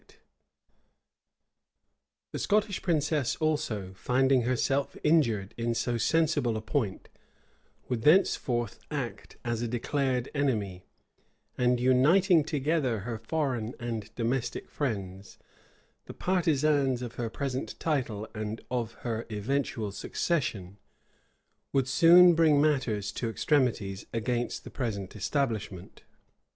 * Keith, p. 322. The Scottish princess also, finding herself injured in so sensible a point, would thenceforth act as a declared enemy; and uniting together her foreign and domestic friends, the partisans of her present title and of her eventual succession, would soon bring matters to extremities against the present establishment.